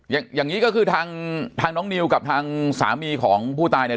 อย่างนี้ก็คือทางทางน้องนิวกับทางสามีของผู้ตายเนี่ย